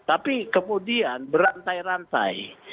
tapi kemudian berantai rantai